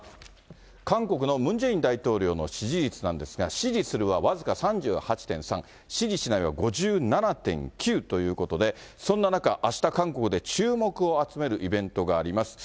韓国のムン・ジェイン大統領の支持率なんですが、支持するは僅か３８．３、支持しないは５７．９ということで、そんな中、あした、韓国で注目を集めるイベントがあります。